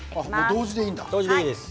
同時でいいんだ。